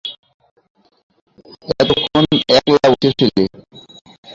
এতক্ষণ একলা বসে ছিলি?